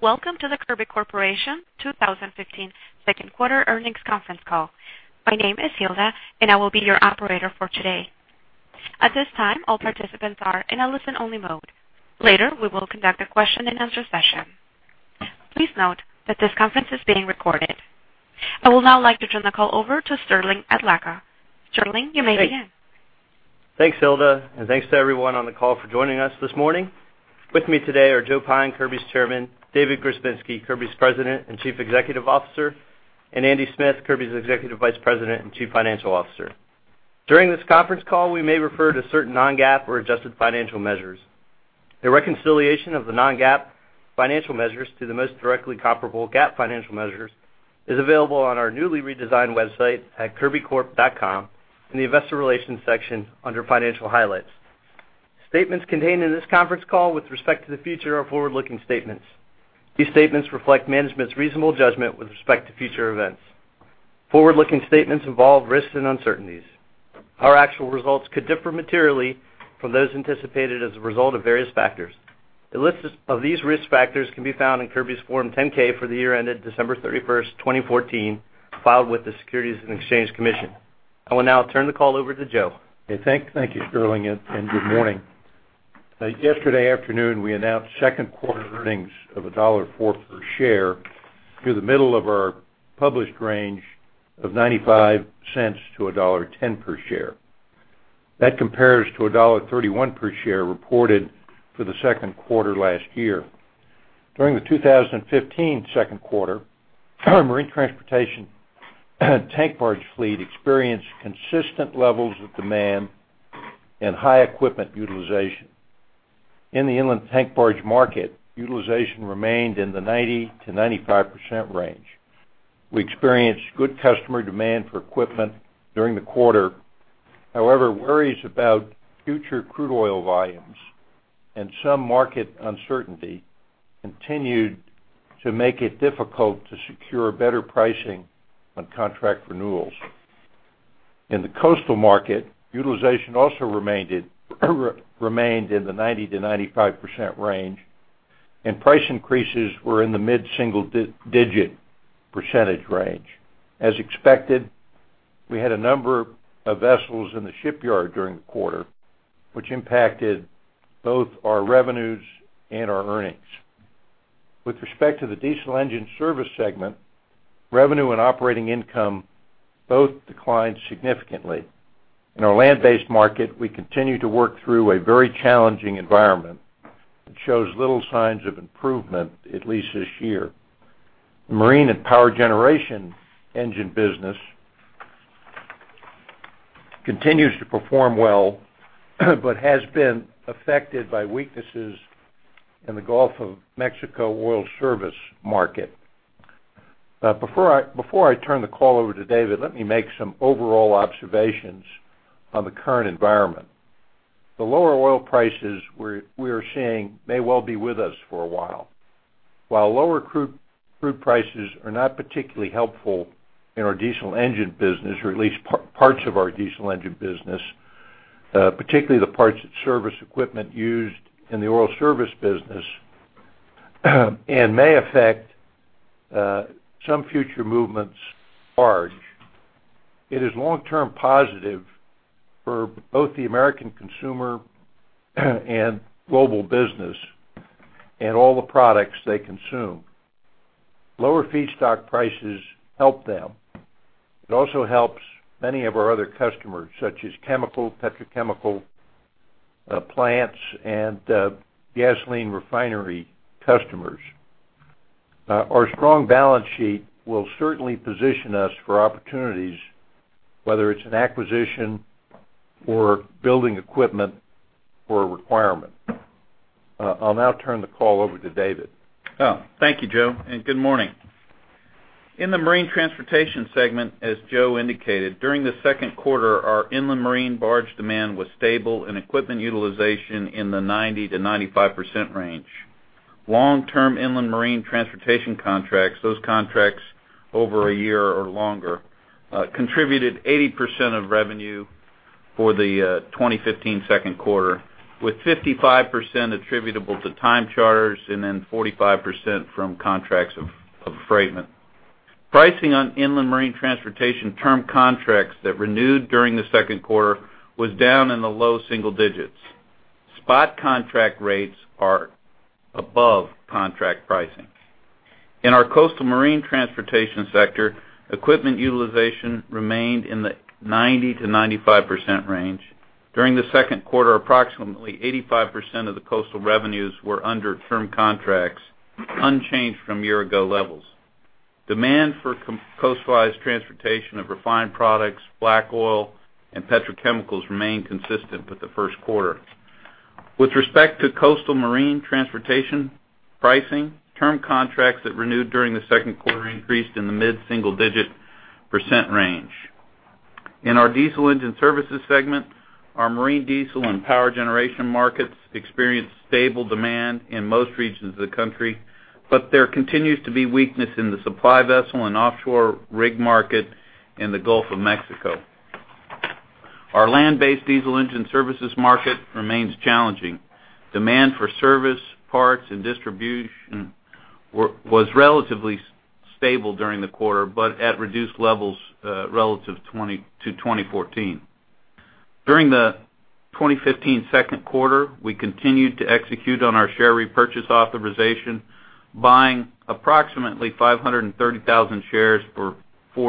Welcome to the Kirby Corporation 2015 second quarter earnings conference call. My name is Hilda, and I will be your operator for today. At this time, all participants are in a listen-only mode. Later, we will conduct a question-and-answer session. Please note that this conference is being recorded. I would now like to turn the call over to Sterling Adlakha. Sterling, you may begin. Thanks, Hilda, and thanks to everyone on the call for joining us this morning. With me today are Joe Pyne, Kirby's Chairman, David Grzebinski, Kirby's President and Chief Executive Officer, and Andy Smith, Kirby's Executive Vice President and Chief Financial Officer. During this conference call, we may refer to certain non-GAAP or adjusted financial measures. A reconciliation of the non-GAAP financial measures to the most directly comparable GAAP financial measures is available on our newly redesigned website at kirbycorp.com in the Investor Relations section under Financial Highlights. Statements contained in this conference call with respect to the future are forward-looking statements. These statements reflect management's reasonable judgment with respect to future events. Forward-looking statements involve risks and uncertainties. Our actual results could differ materially from those anticipated as a result of various factors. A list of these risk factors can be found in Kirby's Form 10-K for the year ended December 31st, 2014, filed with the Securities and Exchange Commission. I will now turn the call over to Joe. Okay, thank you, Sterling, and good morning. Yesterday afternoon, we announced second-quarter earnings of $1.04 per share through the middle of our published range of $0.95-$1.10 per share. That compares to $1.31 per share reported for the second quarter last year. During the 2015 second quarter, our marine transportation tank barge fleet experienced consistent levels of demand and high equipment utilization. In the inland tank barge market, utilization remained in the 90%-95% range. We experienced good customer demand for equipment during the quarter. However, worries about future crude oil volumes and some market uncertainty continued to make it difficult to secure better pricing on contract renewals. In the coastal market, utilization also remained in the 90%-95% range, and price increases were in the mid-single-digit % range. As expected, we had a number of vessels in the shipyard during the quarter, which impacted both our revenues and our earnings. With respect to the diesel engine service segment, revenue and operating income both declined significantly. In our land-based market, we continue to work through a very challenging environment that shows little signs of improvement, at least this year. Marine and power generation engine business... continues to perform well, but has been affected by weaknesses in the Gulf of Mexico oil service market. Before I turn the call over to David, let me make some overall observations on the current environment. The lower oil prices we are seeing may well be with us for a while. While lower crude prices are not particularly helpful in our diesel engine business, or at least parts of our diesel engine business, particularly the parts that service equipment used in the oil service business, and may affect some future barge movements, it is long-term positive for both the American consumer and global business, and all the products they consume. Lower feedstock prices help them. It also helps many of our other customers, such as chemical, petrochemical, plants and gasoline refinery customers. Our strong balance sheet will certainly position us for opportunities, whether it's an acquisition or building equipment or a requirement. I'll now turn the call over to David. Oh, thank you, Joe, and good morning. In the marine transportation segment, as Joe indicated, during the second quarter, our inland marine barge demand was stable and equipment utilization in the 90%-95% range. Long-term inland marine transportation contracts, those contracts over a year or longer, contributed 80% of revenue for the 2015 second quarter, with 55% attributable to time charters and then 45% from contracts of affreightment. Pricing on inland marine transportation term contracts that renewed during the second quarter was down in the low single digits. Spot contract rates are above contract pricing. In our coastal marine transportation sector, equipment utilization remained in the 90%-95% range. During the second quarter, approximately 85% of the coastal revenues were under term contracts, unchanged from year ago levels. Demand for coastal transportation of refined products, black oil, and petrochemicals remained consistent with the first quarter. With respect to coastal marine transportation pricing, term contracts that renewed during the second quarter increased in the mid-single-digit % range. In our diesel engine services segment, our marine diesel and power generation markets experienced stable demand in most regions of the country, but there continues to be weakness in the supply vessel and offshore rig market in the Gulf of Mexico. Our land-based diesel engine services market remains challenging. Demand for service, parts, and distribution was relatively stable during the quarter, but at reduced levels relative to 2014. During the 2015 second quarter, we continued to execute on our share repurchase authorization, buying approximately 530,000 shares for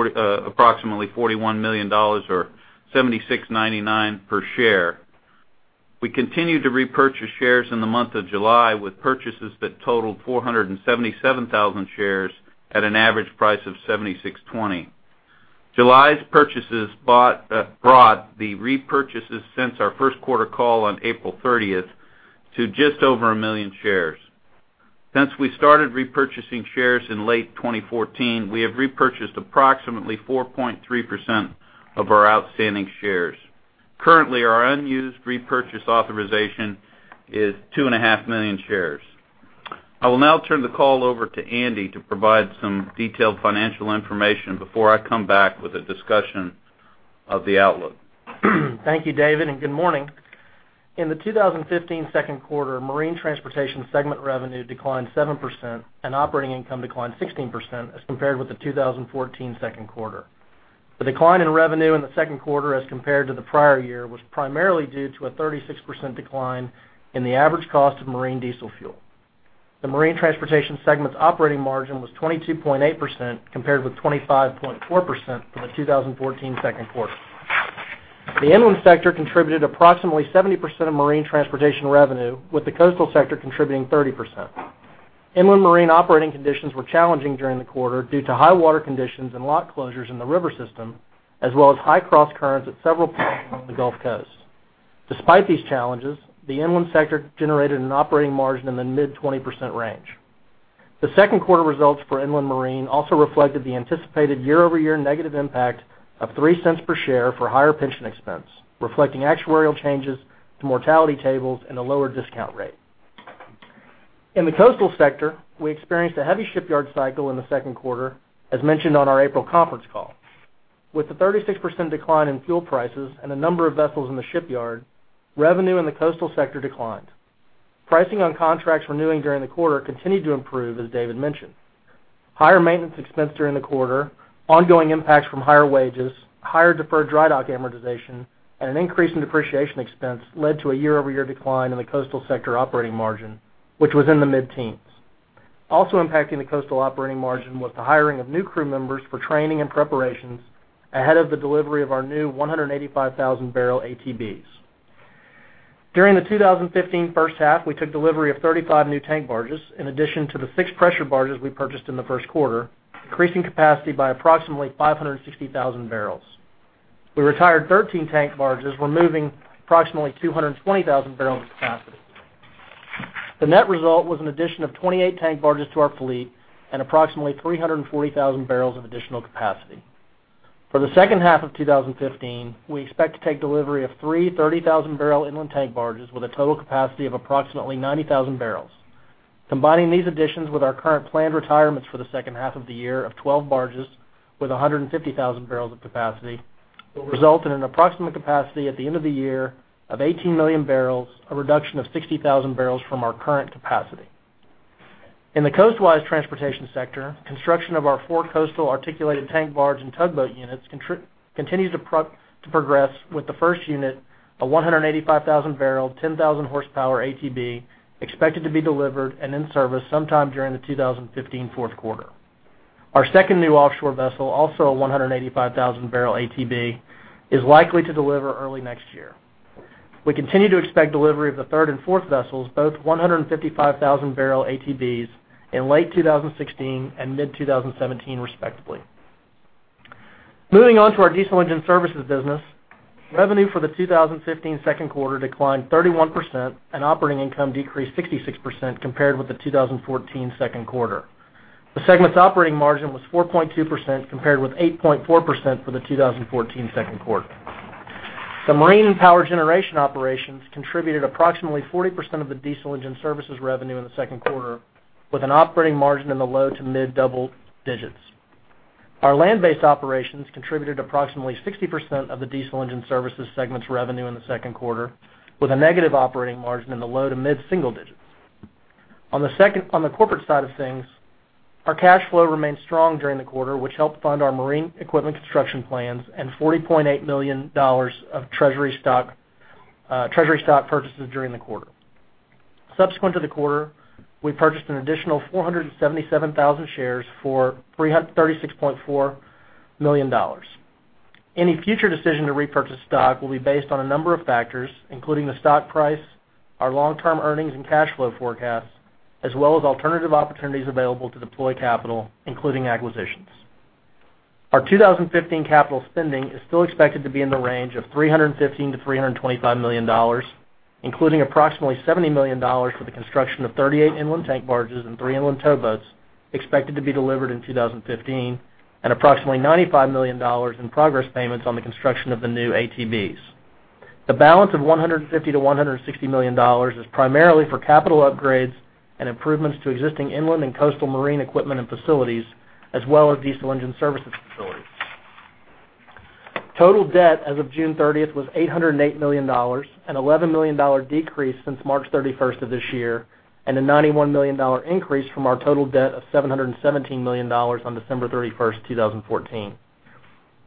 approximately $41 million, or $76.99 per share. We continued to repurchase shares in the month of July, with purchases that totaled 477,000 shares at an average price of $76.20. July's purchases brought the repurchases since our first quarter call on April 30th to just over 1 million shares. Since we started repurchasing shares in late 2014, we have repurchased approximately 4.3% of our outstanding shares. Currently, our unused repurchase authorization is 2.5 million shares. I will now turn the call over to Andy to provide some detailed financial information before I come back with a discussion of the outlook. Thank you, David, and good morning. In the 2015 second quarter, Marine Transportation segment revenue declined 7% and operating income declined 16% as compared with the 2014 second quarter. The decline in revenue in the second quarter, as compared to the prior year, was primarily due to a 36% decline in the average cost of marine diesel fuel. The Marine Transportation segment's operating margin was 22.8%, compared with 25.4% for the 2014 second quarter. The inland sector contributed approximately 70% of marine transportation revenue, with the coastal sector contributing 30%. Inland Marine operating conditions were challenging during the quarter due to high water conditions and lock closures in the river system, as well as high cross currents at several points along the Gulf Coast. Despite these challenges, the inland sector generated an operating margin in the mid-20% range. The second quarter results for Inland Marine also reflected the anticipated year-over-year negative impact of $0.03 per share for higher pension expense, reflecting actuarial changes to mortality tables and a lower discount rate. In the coastal sector, we experienced a heavy shipyard cycle in the second quarter, as mentioned on our April conference call. With the 36% decline in fuel prices and a number of vessels in the shipyard, revenue in the coastal sector declined. Pricing on contracts renewing during the quarter continued to improve, as David mentioned. Higher maintenance expense during the quarter, ongoing impacts from higher wages, higher deferred dry dock amortization, and an increase in depreciation expense led to a year-over-year decline in the coastal sector operating margin, which was in the mid-teens. Also impacting the coastal operating margin was the hiring of new crew members for training and preparations ahead of the delivery of our new 185,000-barrel ATBs. During the 2015 first half, we took delivery of 35 new tank barges, in addition to the six pressure barges we purchased in the first quarter, increasing capacity by approximately 560,000 barrels. We retired 13 tank barges, removing approximately 220,000 barrels of capacity. The net result was an addition of 28 tank barges to our fleet and approximately 340,000 barrels of additional capacity. For the second half of 2015, we expect to take delivery of three 30,000-barrel inland tank barges with a total capacity of approximately 90,000 barrels. Combining these additions with our current planned retirements for the second half of the year of 12 barges with 150,000 barrels of capacity, will result in an approximate capacity at the end of the year of 18 million barrels, a reduction of 60,000 barrels from our current capacity. In the coastwise transportation sector, construction of our four coastal articulated tank barge and tugboat units continues to progress, with the first unit, a 185,000-barrel, 10,000 horsepower ATB, expected to be delivered and in service sometime during the 2015 fourth quarter. Our second new offshore vessel, also a 185,000-barrel ATB, is likely to deliver early next year. We continue to expect delivery of the third and fourth vessels, both 155,000-barrel ATBs, in late 2016 and mid-2017, respectively. Moving on to our diesel engine services business. Revenue for the 2015 second quarter declined 31%, and operating income decreased 66% compared with the 2014 second quarter. The segment's operating margin was 4.2%, compared with 8.4% for the 2014 second quarter. The marine and power generation operations contributed approximately 40% of the diesel engine services revenue in the second quarter, with an operating margin in the low-to-mid double digits. Our land-based operations contributed approximately 60% of the diesel engine services segment's revenue in the second quarter, with a negative operating margin in the low-to-mid-single digits. On the second on the corporate side of things, our cash flow remained strong during the quarter, which helped fund our marine equipment construction plans and $40.8 million of treasury stock purchases during the quarter. Subsequent to the quarter, we purchased an additional 477,000 shares for $36.4 million. Any future decision to repurchase stock will be based on a number of factors, including the stock price, our long-term earnings and cash flow forecasts, as well as alternative opportunities available to deploy capital, including acquisitions. Our 2015 capital spending is still expected to be in the range of $315 million-$325 million, including approximately $70 million for the construction of 38 inland tank barges and 3 inland towboats, expected to be delivered in 2015, and approximately $95 million in progress payments on the construction of the new ATBs. The balance of $150 million-$160 million is primarily for capital upgrades and improvements to existing inland and coastal marine equipment and facilities, as well as diesel engine services facilities. Total debt as of June 30 was $808 million, an $11 million decrease since March 31 of this year, and a $91 million increase from our total debt of $717 million on December 31, 2014.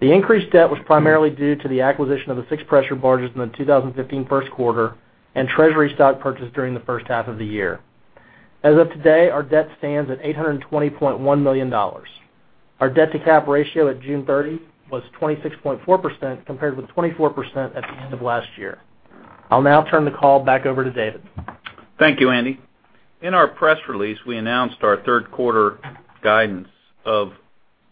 The increased debt was primarily due to the acquisition of the six pressure barges in the 2015 first quarter and treasury stock purchase during the first half of the year. As of today, our debt stands at $820.1 million. Our debt-to-cap ratio at June 30 was 26.4%, compared with 24% at the end of last year. I'll now turn the call back over to David. Thank you, Andy. In our press release, we announced our third quarter guidance of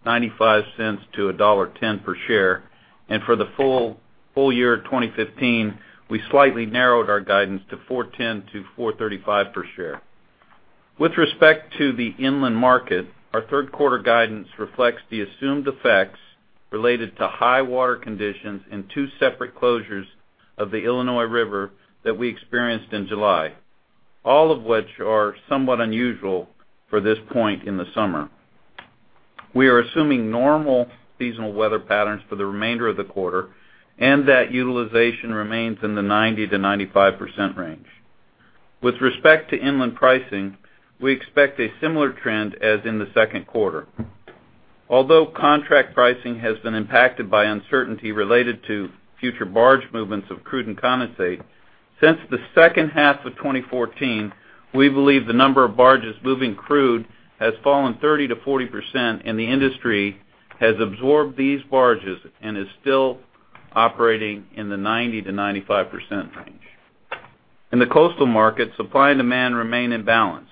$0.95-$1.10 per share, and for the full, full year, 2015, we slightly narrowed our guidance to $4.10-$4.35 per share. With respect to the inland market, our third quarter guidance reflects the assumed effects related to high water conditions in two separate closures of the Illinois River that we experienced in July, all of which are somewhat unusual for this point in the summer. We are assuming normal seasonal weather patterns for the remainder of the quarter, and that utilization remains in the 90%-95% range. With respect to inland pricing, we expect a similar trend as in the second quarter. Although contract pricing has been impacted by uncertainty related to future barge movements of crude and condensate, since the second half of 2014, we believe the number of barges moving crude has fallen 30%-40%, and the industry has absorbed these barges and is still operating in the 90%-95% range. In the coastal market, supply and demand remain in balance,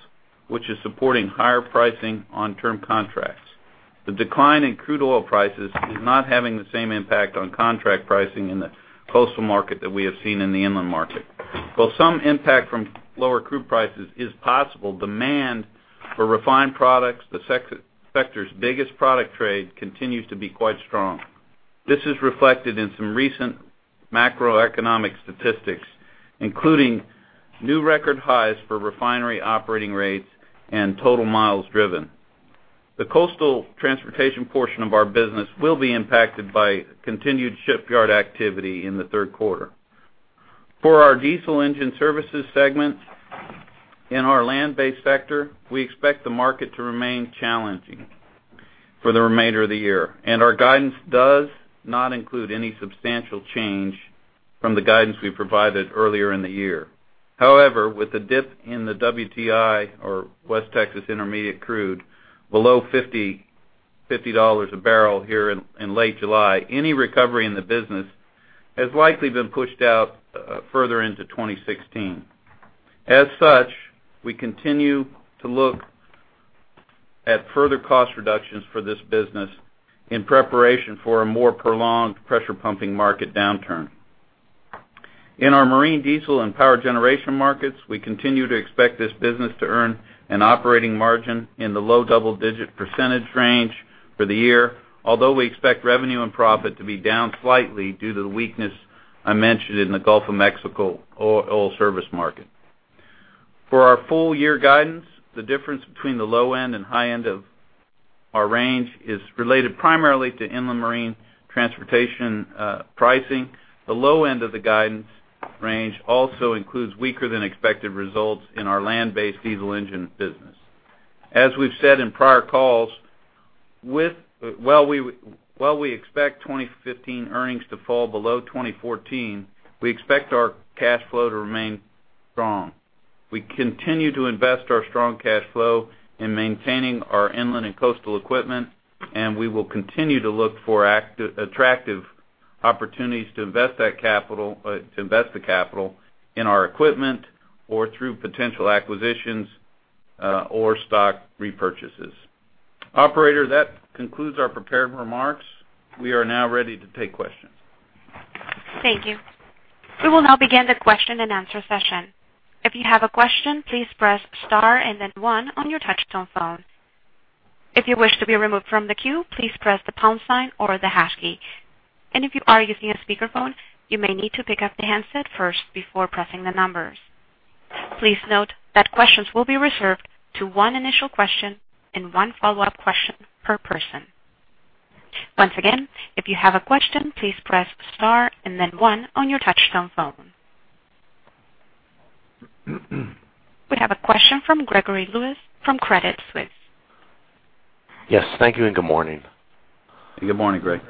which is supporting higher pricing on term contracts. The decline in crude oil prices is not having the same impact on contract pricing in the coastal market that we have seen in the inland market. While some impact from lower crude prices is possible, demand for refined products, the sector's biggest product trade, continues to be quite strong. This is reflected in some recent macroeconomic statistics, including new record highs for refinery operating rates and total miles driven. The coastal transportation portion of our business will be impacted by continued shipyard activity in the third quarter. For our diesel engine services segment, in our land-based sector, we expect the market to remain challenging for the remainder of the year, and our guidance does not include any substantial change from the guidance we provided earlier in the year. However, with the dip in the WTI, or West Texas Intermediate crude, below $50 a barrel here in late July, any recovery in the business has likely been pushed out further into 2016. As such, we continue to look at further cost reductions for this business in preparation for a more prolonged pressure pumping market downturn. In our marine, diesel and power generation markets, we continue to expect this business to earn an operating margin in the low double-digit percentage range for the year, although we expect revenue and profit to be down slightly due to the weakness I mentioned in the Gulf of Mexico oil service market. For our full-year guidance, the difference between the low end and high end of our range is related primarily to inland marine transportation pricing. The low end of the guidance range also includes weaker than expected results in our land-based diesel engine business. As we've said in prior calls, while we expect 2015 earnings to fall below 2014, we expect our cash flow to remain strong. We continue to invest our strong cash flow in maintaining our inland and coastal equipment, and we will continue to look for attractive opportunities to invest that capital, to invest the capital in our equipment or through potential acquisitions, or stock repurchases. Operator, that concludes our prepared remarks. We are now ready to take questions. Thank you. We will now begin the question-and-answer session. If you have a question, please press star and then one on your touchtone phone. If you wish to be removed from the queue, please press the pound sign or the hash key. And if you are using a speakerphone, you may need to pick up the handset first before pressing the numbers. Please note that questions will be reserved to one initial question and one follow-up question per person. Once again, if you have a question, please press star and then one on your touchtone phone. We have a question from Gregory Lewis from Credit Suisse. Yes, thank you and good morning. Good morning, Greg.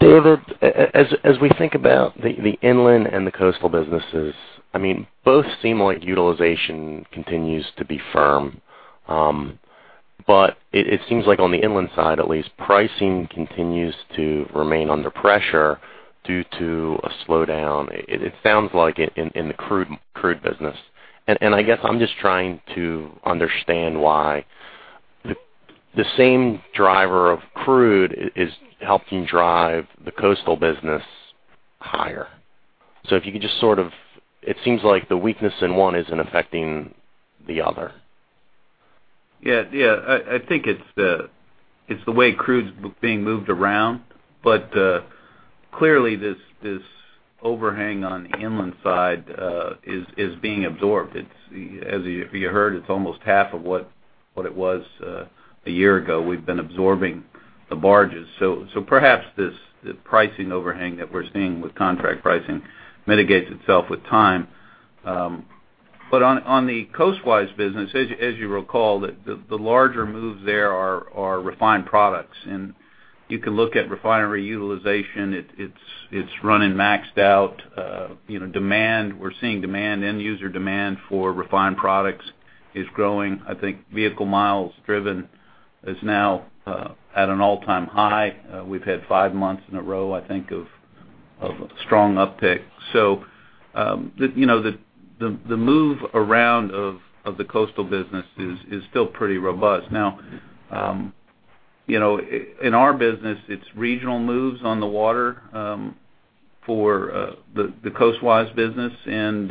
David, as we think about the inland and the coastal businesses, I mean, both seem like utilization continues to be firm, but it seems like on the inland side, at least, pricing continues to remain under pressure due to a slowdown. It sounds like in the crude business. And I guess I'm just trying to understand why the same driver of crude is helping drive the coastal business higher. So if you could just sort of... It seems like the weakness in one isn't affecting the other. Yeah, yeah, I think it's the way crude's being moved around. But clearly, this overhang on the inland side is being absorbed. It's, as you heard, it's almost half of what it was a year ago. We've been absorbing the barges. So perhaps this, the pricing overhang that we're seeing with contract pricing mitigates itself with time. But on the coastwise business, as you recall, the larger moves there are refined products. And you can look at refinery utilization. It's running maxed out. You know, demand, we're seeing demand, end user demand for refined products is growing. I think vehicle miles driven is now at an all-time high. We've had five months in a row, I think, of strong uptick. So, you know, the move around of the coastal business is still pretty robust. Now, you know, in our business, it's regional moves on the water, for the coastwise business, and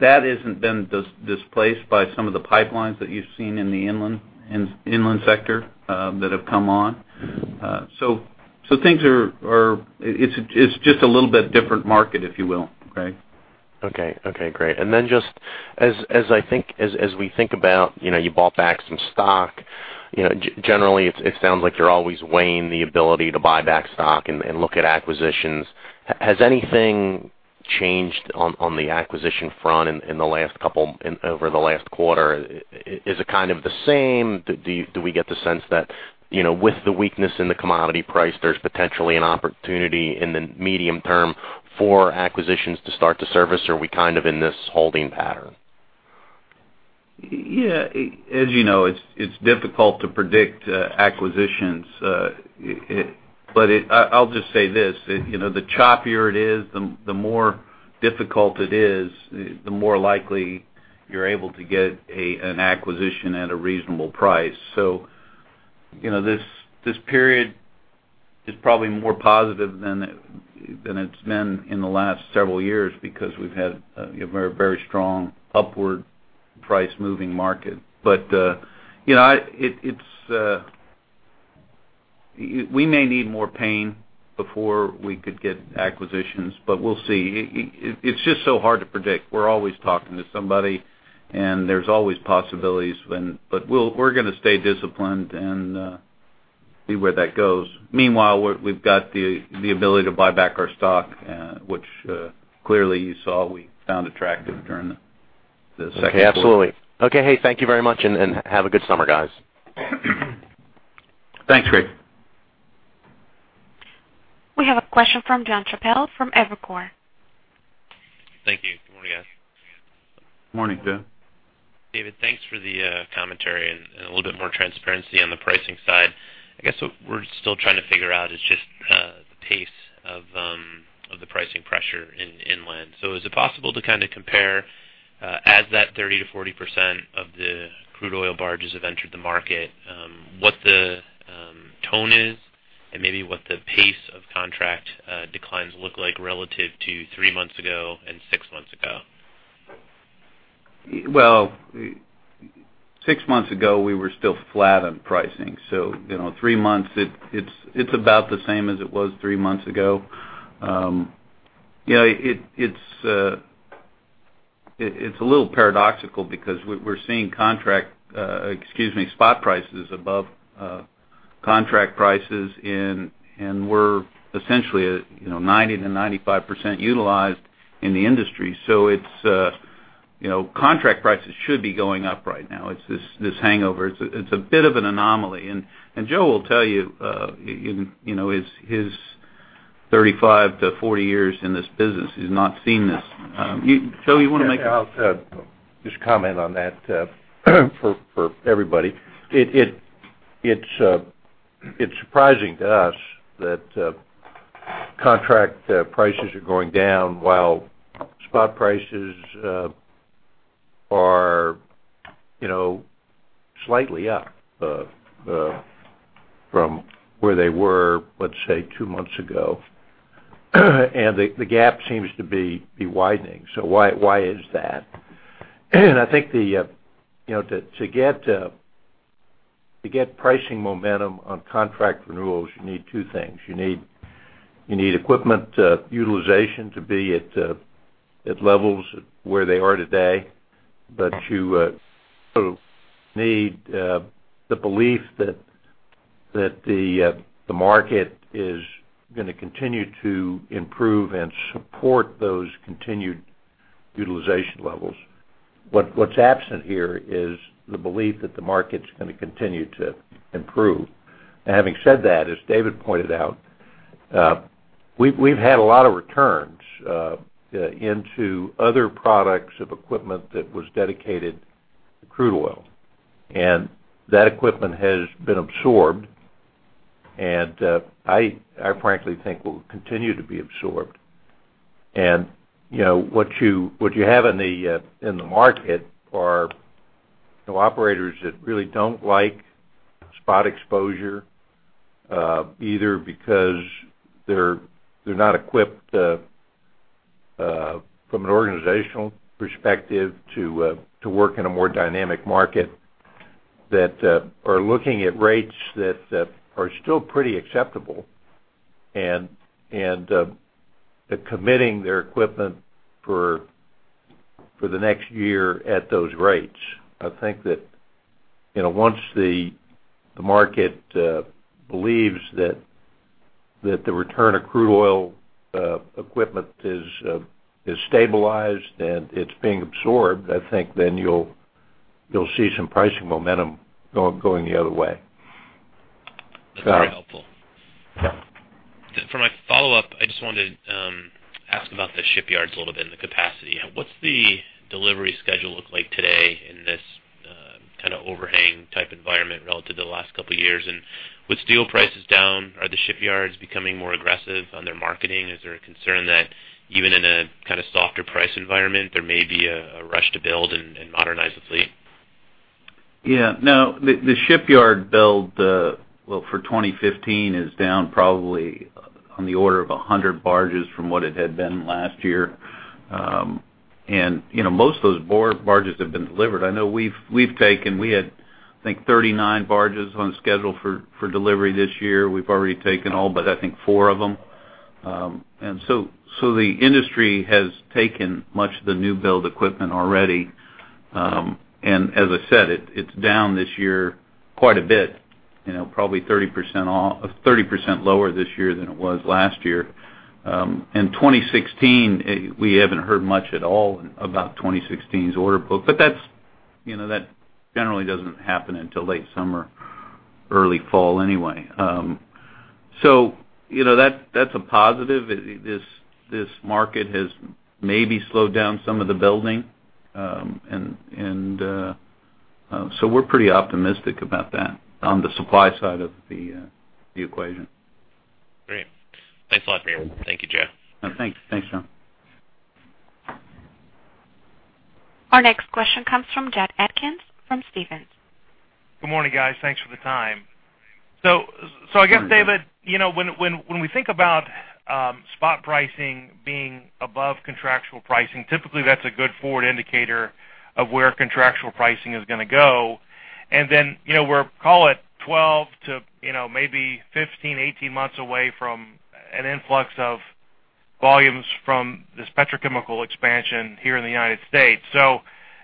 that hasn't been displaced by some of the pipelines that you've seen in the inland sector that have come on. So, things are... It's just a little bit different market, if you will, Greg. Okay. Okay, great. And then just as I think, as we think about, you know, you bought back some stock, you know, generally, it sounds like you're always weighing the ability to buy back stock and look at acquisitions. Has anything changed on the acquisition front in the last couple, over the last quarter? Is it kind of the same? Do we get the sense that, you know, with the weakness in the commodity price, there's potentially an opportunity in the medium term for acquisitions to start to surface, or are we kind of in this holding pattern? Yeah, as you know, it's difficult to predict acquisitions. But I'll just say this, you know, the choppier it is, the more difficult it is, the more likely you're able to get an acquisition at a reasonable price. So, you know, this period is probably more positive than it's been in the last several years because we've had a very, very strong upward price moving market. But you know, we may need more pain before we could get acquisitions, but we'll see. It's just so hard to predict. We're always talking to somebody, and there's always possibilities when... But we're gonna stay disciplined and see where that goes. Meanwhile, we've got the ability to buy back our stock, which clearly you saw we found attractive during the second quarter. Okay, absolutely. Okay. Hey, thank you very much, and, and have a good summer, guys. Thanks, Greg. We have a question from Jon Chappell from Evercore. Thank you. Good morning, guys. Morning, John. David, thanks for the commentary and a little bit more transparency on the pricing side. I guess what we're still trying to figure out is just the pace of the pricing pressure in inland. So is it possible to kind of compare, as that 30%-40% of the crude oil barges have entered the market, what the tone is, and maybe what the pace of contract declines look like relative to three months ago and six months ago? Well, six months ago, we were still flat on pricing. So, you know, three months, about the same as it was three months ago. Yeah, it's a little paradoxical because we're seeing contract, excuse me, spot prices above, contract prices, and we're essentially, you know, 90%-95% utilized in the industry. So it's, you know, contract prices should be going up right now. It's this hangover. It's a bit of an anomaly. And Joe will tell you, in, you know, his 35-40 years in this business, he's not seen this. Joe, you wanna make. Yeah, I'll just comment on that for everybody. It's surprising to us that contract prices are going down while spot prices are, you know, slightly up from where they were, let's say, two months ago. And the gap seems to be widening. So why is that? And I think you know, to get pricing momentum on contract renewals, you need two things: You need equipment utilization to be at levels where they are today, but you need the belief that the market is gonna continue to improve and support those continued utilization levels. What's absent here is the belief that the market's gonna continue to improve. And having said that, as David pointed out, we've had a lot of returns into other products of equipment that was dedicated to crude oil, and that equipment has been absorbed, and I frankly think will continue to be absorbed. And, you know, what you have in the market are operators that really don't like spot exposure, either because they're not equipped to, from an organizational perspective, to work in a more dynamic market, that are looking at rates that are still pretty acceptable, and they're committing their equipment for the next year at those rates. I think that, you know, once the market believes that the return of crude oil equipment is stabilized and it's being absorbed, I think then you'll see some pricing momentum going the other way. That's very helpful. Yeah. For my follow-up, I just wanted to ask about the shipyards a little bit and the capacity. What's the delivery schedule look like today in this kind of overhang type environment relative to the last couple of years? And with steel prices down, are the shipyards becoming more aggressive on their marketing? Is there a concern that even in a kind of softer price environment, there may be a rush to build and modernize the fleet? Yeah. No, the shipyard build, well, for 2015 is down probably on the order of 100 barges from what it had been last year. And, you know, most of those barges have been delivered. I know we've taken – we had, I think, 39 barges on schedule for delivery this year. We've already taken all, but I think four of them. And so the industry has taken much of the new build equipment already. And as I said, it's down this year quite a bit, you know, probably 30% off, 30% lower this year than it was last year. And 2016, we haven't heard much at all about 2016's order book, but that's, you know, that generally doesn't happen until late summer, early fall anyway. So, you know, that's a positive. This market has maybe slowed down some of the building, and so we're pretty optimistic about that on the supply side of the equation. Great. Thanks a lot for your... Thank you, Joe. Thanks. Thanks, Jon. Our next question comes from Jack Atkins from Stephens. Good morning, guys. Thanks for the time. So I guess, David, you know, when we think about spot pricing being above contractual pricing, typically, that's a good forward indicator of where contractual pricing is gonna go. And then, you know, we're call it 12 to, you know, maybe 15, 18 months away from an influx of volumes from this petrochemical expansion here in the United States. So,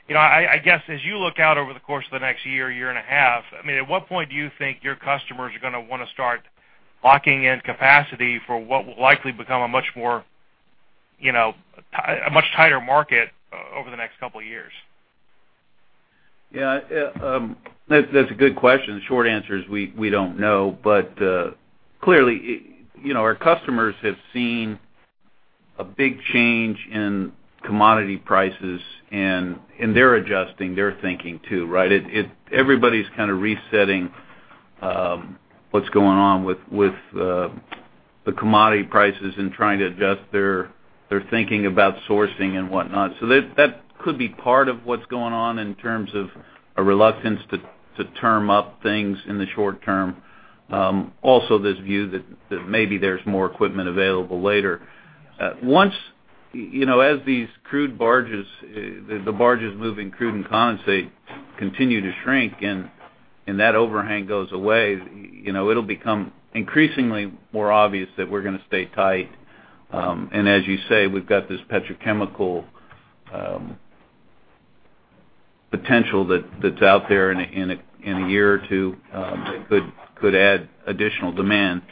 you know, I guess, as you look out over the course of the next year, year and a half, I mean, at what point do you think your customers are gonna wanna start locking in capacity for what will likely become a much more, you know, a much tighter market over the next couple of years? Yeah, that's a good question. The short answer is we don't know. But, clearly, you know, our customers have seen a big change in commodity prices, and they're adjusting their thinking, too, right? It's everybody's kind of resetting what's going on with the commodity prices and trying to adjust their thinking about sourcing and whatnot. So that could be part of what's going on in terms of a reluctance to term up things in the short term. Also, this view that maybe there's more equipment available later. Once, you know, as these crude barges, the barges moving crude and condensate continue to shrink, and that overhang goes away, you know, it'll become increasingly more obvious that we're gonna stay tight. And as you say, we've got this petrochemical potential that's out there in a year or two that could add additional demand.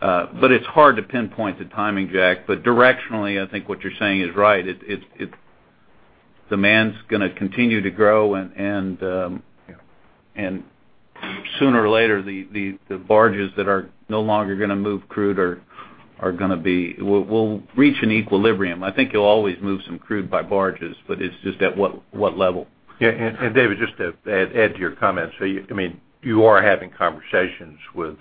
But it's hard to pinpoint the timing, Jack. But directionally, I think what you're saying is right. It's demand's gonna continue to grow, and sooner or later, the barges that are no longer gonna move crude are gonna be... We'll reach an equilibrium. I think you'll always move some crude by barges, but it's just at what level? Yeah, and David, just to add to your comment. So you, I mean, you are having conversations with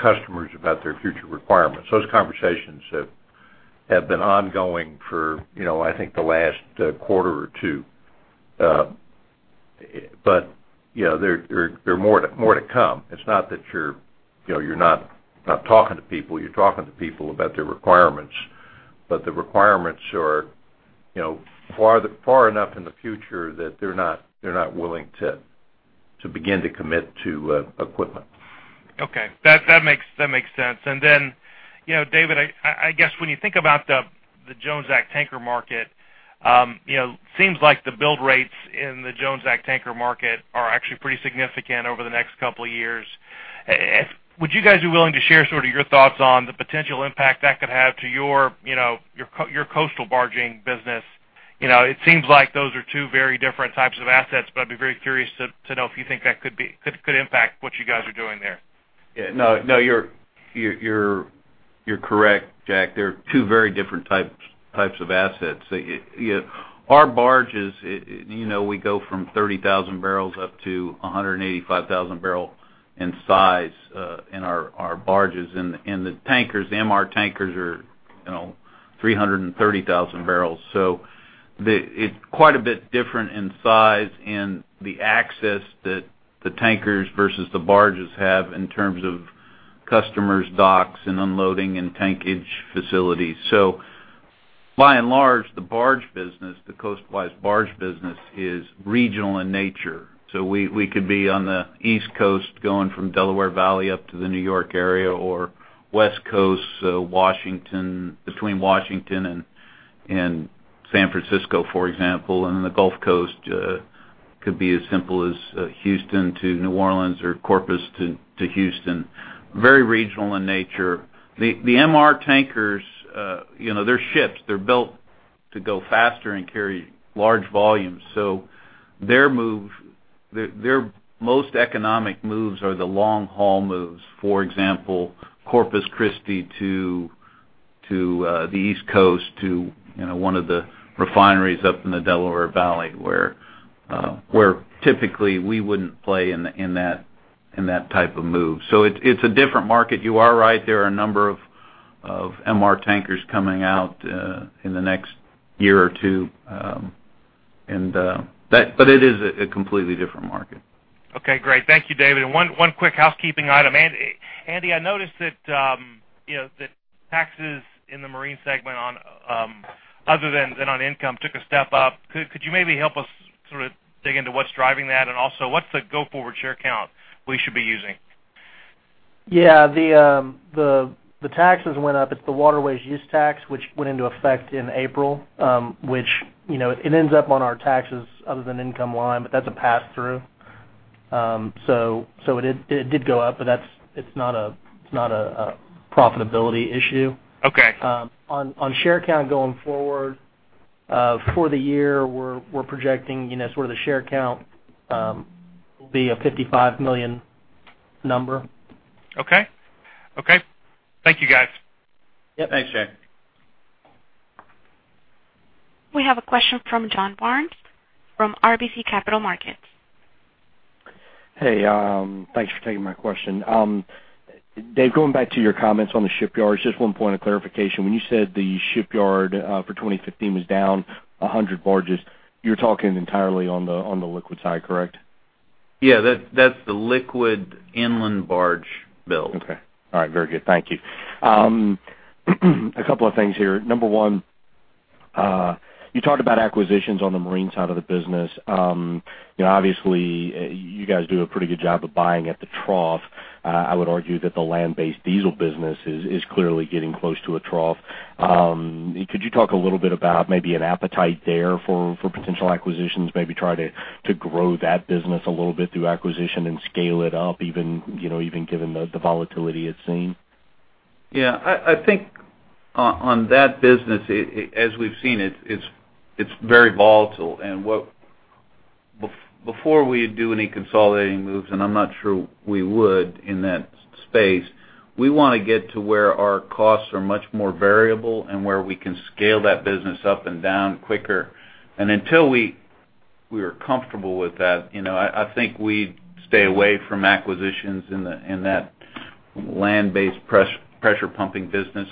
customers about their future requirements. Those conversations have been ongoing for, you know, I think, the last quarter or two. But, you know, there are more to come. It's not that you're, you know, not talking to people, you're talking to people about their requirements. But the requirements are, you know, far enough in the future that they're not willing to begin to commit to equipment. Okay. That makes sense. And then, you know, David, I guess when you think about the Jones Act tanker market, you know, seems like the build rates in the Jones Act tanker market are actually pretty significant over the next couple of years. Would you guys be willing to share sort of your thoughts on the potential impact that could have to your, you know, your coastal barging business? You know, it seems like those are two very different types of assets, but I'd be very curious to know if you think that could impact what you guys are doing there. Yeah. No, no, you're, you're, you're correct, Jack. They're two very different types, types of assets. You know, our barges, you know, we go from 30,000 barrels up to 185,000-barrel in size, in our barges. And the tankers, the MR tankers are, you know, 330,000 barrels. So, it's quite a bit different in size and the access that the tankers versus the barges have in terms of customers, docks, and unloading and tankage facilities. So by and large, the barge business, the coastwise barge business, is regional in nature. So we could be on the East Coast, going from Delaware Valley up to the New York area, or West Coast, so Washington, between Washington and San Francisco, for example, and then the Gulf Coast, could be as simple as Houston to New Orleans or Corpus to Houston. Very regional in nature. The MR tankers, you know, they're ships. They're built to go faster and carry large volumes, so their most economic moves are the long-haul moves. For example, Corpus Christi to the East Coast, to you know, one of the refineries up in the Delaware Valley, where typically we wouldn't play in that type of move. So it's a different market. You are right, there are a number of MR tankers coming out in the next year or two, and but it is a completely different market. Okay, great. Thank you, David. And one quick housekeeping item. And, Andy, I noticed that, you know, that taxes in the marine segment on, other than on income, took a step up. Could you maybe help us sort of dig into what's driving that? And also, what's the go-forward share count we should be using? Yeah, the taxes went up. It's the waterways use tax, which went into effect in April, which, you know, it ends up on our taxes other than income line, but that's a pass-through. So it did go up, but that's, it's not a profitability issue. Okay. On share count going forward, for the year, we're projecting, you know, sort of the share count will be a 55 million number. Okay. Okay. Thank you, guys. Yep. Thanks, Jack. We have a question from John Barnes from RBC Capital Markets. Hey, thanks for taking my question. Dave, going back to your comments on the shipyards, just one point of clarification. When you said the shipyard for 2015 was down 100 barges, you're talking entirely on the liquid side, correct? Yeah, that, that's the liquid inland barge build. Okay. All right. Very good. Thank you. A couple of things here. Number one, you talked about acquisitions on the marine side of the business. You know, obviously, you guys do a pretty good job of buying at the trough. I would argue that the land-based diesel business is clearly getting close to a trough. Could you talk a little bit about maybe an appetite there for potential acquisitions, maybe try to grow that business a little bit through acquisition and scale it up even, you know, even given the volatility it's seen? Yeah. I think on that business, as we've seen it, it's very volatile. And before we do any consolidating moves, and I'm not sure we would in that space, we wanna get to where our costs are much more variable and where we can scale that business up and down quicker. And until we are comfortable with that, you know, I think we'd stay away from acquisitions in the in that land-based pressure pumping business.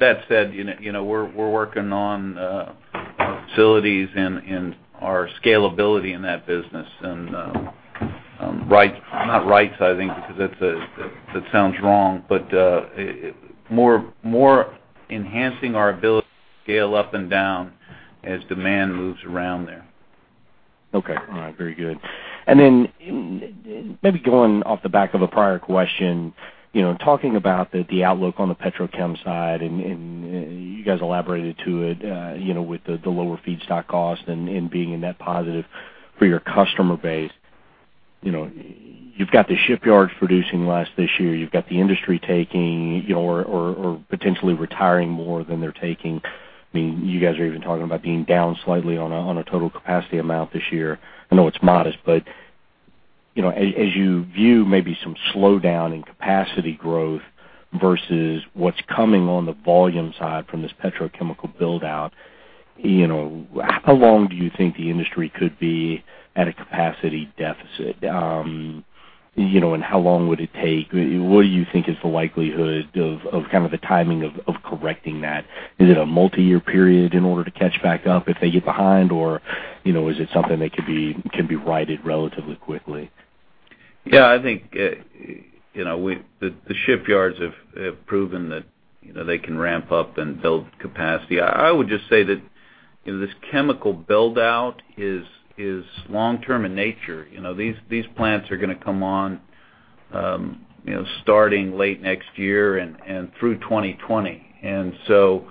That said, you know, we're working on our facilities and our scalability in that business. And rights, not rights, I think, because that's a that sounds wrong, but more enhancing our ability to scale up and down as demand moves around there. Okay. All right, very good. And then maybe going off the back of a prior question, you know, talking about the outlook on the petrochem side, and you guys elaborated to it, you know, with the lower feedstock cost and being in net positive for your customer base. You know, you've got the shipyards producing less this year. You've got the industry taking or potentially retiring more than they're taking. I mean, you guys are even talking about being down slightly on a total capacity amount this year. I know it's modest, but, you know, as you view maybe some slowdown in capacity growth versus what's coming on the volume side from this petrochemical build-out, you know, how long do you think the industry could be at a capacity deficit? You know, and how long would it take? What do you think is the likelihood of the timing of correcting that? Is it a multi-year period in order to catch back up if they get behind? Or, you know, is it something that could be, can be righted relatively quickly? Yeah, I think, you know, the shipyards have proven that, you know, they can ramp up and build capacity. I would just say that, you know, this chemical build-out is long-term in nature. You know, these plants are gonna come on, you know, starting late next year and through 2020. And so,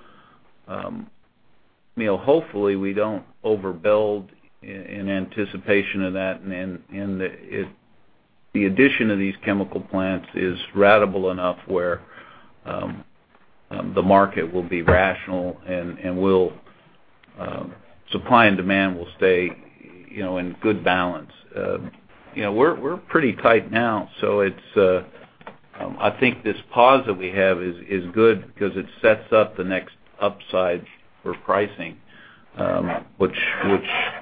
you know, hopefully, we don't overbuild in anticipation of that, and then the addition of these chemical plants is ratable enough where the market will be rational and supply and demand will stay, you know, in good balance. You know, we're pretty tight now, so, I think this pause that we have is good because it sets up the next upside for pricing which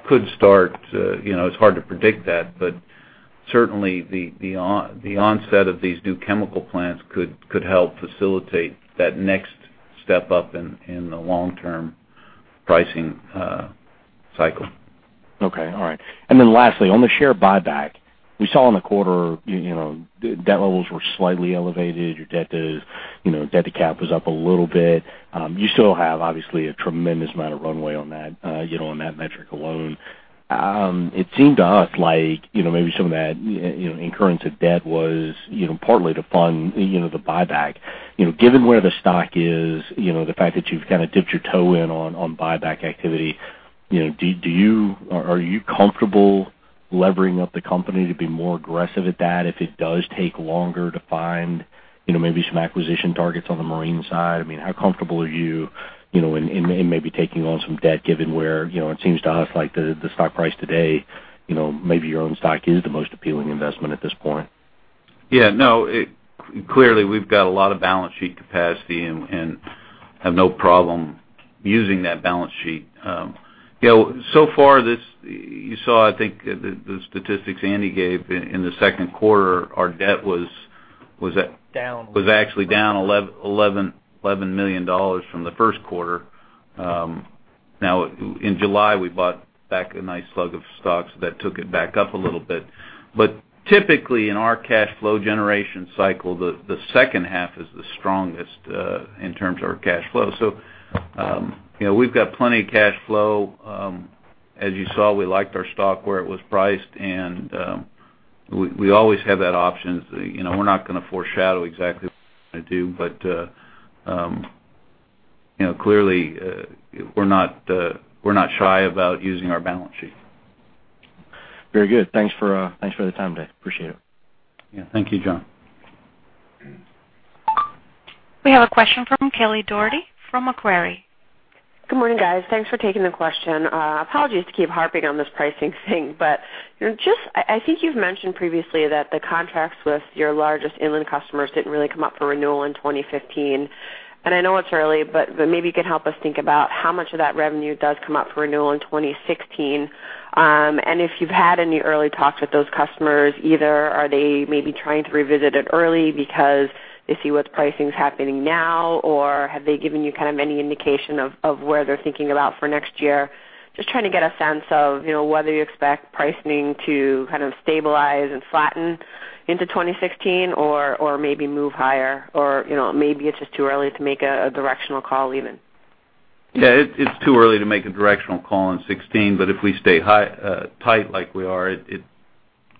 could start, you know, it's hard to predict that, but certainly, the onset of these new chemical plants could help facilitate that next step up in the long-term pricing cycle. Okay, all right. And then lastly, on the share buyback, we saw in the quarter, you know, the debt levels were slightly elevated. Your debt to, you know, debt to cap was up a little bit. You still have, obviously, a tremendous amount of runway on that, you know, on that metric alone. It seemed to us like, you know, maybe some of that, you know, incurrence of debt was, you know, partly to fund, you know, the buyback. You know, given where the stock is, you know, the fact that you've kind of dipped your toe in on, on buyback activity, you know, do you—are you comfortable levering up the company to be more aggressive at that if it does take longer to find, you know, maybe some acquisition targets on the marine side? I mean, how comfortable are you, you know, in maybe taking on some debt, given where, you know, it seems to us like the stock price today, you know, maybe your own stock is the most appealing investment at this point? Yeah, no, it clearly we've got a lot of balance sheet capacity and have no problem using that balance sheet. You know, so far, this you saw, I think, the statistics Andy gave in the second quarter, our debt was at- Down. Was actually down $11 million from the first quarter. Now in July, we bought back a nice slug of stocks that took it back up a little bit. But typically, in our cash flow generation cycle, the second half is the strongest in terms of our cash flow. So, you know, we've got plenty of cash flow. As you saw, we liked our stock where it was priced, and we always have that option. You know, we're not gonna foreshadow exactly what we're gonna do, but, you know, clearly, we're not shy about using our balance sheet. Very good. Thanks for, thanks for the time today. Appreciate it. Yeah. Thank you, John. We have a question from Kelly Dougherty from Macquarie. Good morning, guys. Thanks for taking the question. Apologies to keep harping on this pricing thing, but, you know, just, I think you've mentioned previously that the contracts with your largest inland customers didn't really come up for renewal in 2015. And I know it's early, but maybe you can help us think about how much of that revenue does come up for renewal in 2016. And if you've had any early talks with those customers, either are they maybe trying to revisit it early because they see what's pricing is happening now, or have they given you kind of any indication of where they're thinking about for next year? Just trying to get a sense of, you know, whether you expect pricing to kind of stabilize and flatten into 2016, or maybe move higher, or, you know, maybe it's just too early to make a directional call even? Yeah, it's too early to make a directional call on 2016, but if we stay high, tight like we are, it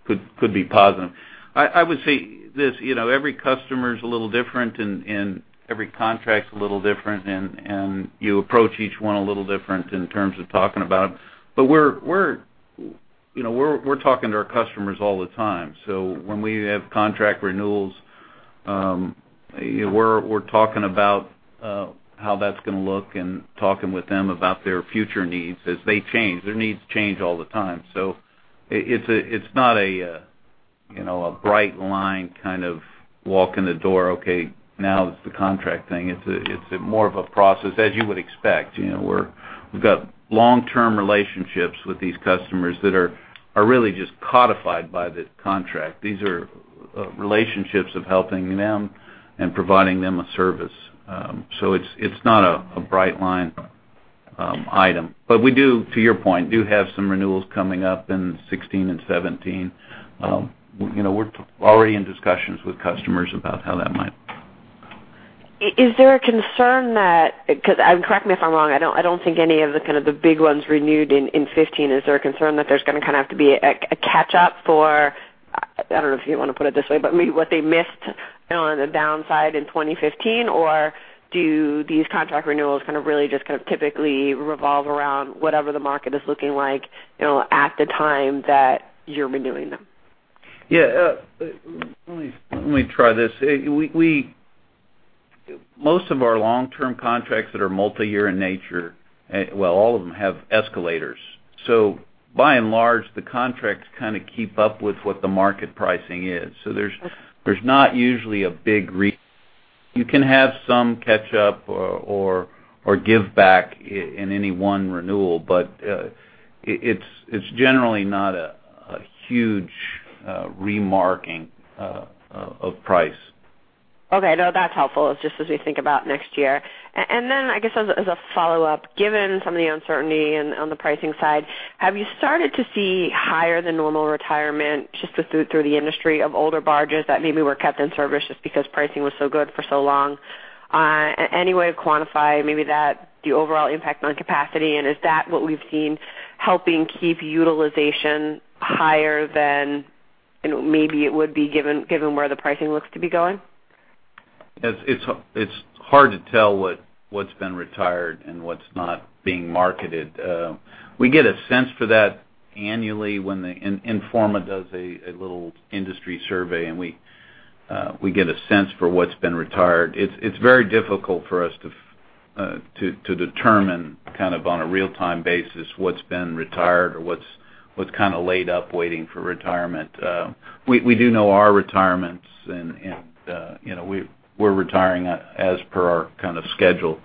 could be positive. I would say this, you know, every customer is a little different, and every contract's a little different, and you approach each one a little different in terms of talking about it. But we're, you know, we're talking to our customers all the time. So when we have contract renewals, you know, we're talking about how that's gonna look and talking with them about their future needs as they change. Their needs change all the time. So it's not a, you know, a bright line kind of walk in the door, okay, now it's the contract thing. It's more of a process, as you would expect. You know, we've got long-term relationships with these customers that are really just codified by this contract. These are relationships of helping them and providing them a service. So it's not a bright line item. But we do, to your point, have some renewals coming up in 2016 and 2017. You know, we're already in discussions with customers about how that might... Is there a concern that, because, and correct me if I'm wrong, I don't, I don't think any of the kind of the big ones renewed in, in 2015, is there a concern that there's gonna kind of have to be a, a catch up for, I don't know if you want to put it this way, but maybe what they missed, you know, on the downside in 2015? Or do these contract renewals kind of really just kind of typically revolve around whatever the market is looking like, you know, at the time that you're renewing them? Most of our long-term contracts that are multi-year in nature, well, all of them have escalators. So by and large, the contracts kind of keep up with what the market pricing is. So there's- Okay. There's not usually a big... You can have some catch up or give back in any one renewal, but it's generally not a huge remarking of price. Okay, no, that's helpful, just as we think about next year. And then, I guess, as a follow-up, given some of the uncertainty and on the pricing side, have you started to see higher than normal retirement, just through the industry of older barges that maybe were kept in service just because pricing was so good for so long? Any way to quantify maybe that, the overall impact on capacity, and is that what we've seen helping keep utilization higher than, you know, maybe it would be given where the pricing looks to be going? It's hard to tell what's been retired and what's not being marketed. We get a sense for that annually when Informa does a little industry survey, and we get a sense for what's been retired. It's very difficult for us to determine kind of on a real-time basis what's been retired or what's kind of laid up waiting for retirement. We do know our retirements, and you know, we're retiring as per our kind of schedule.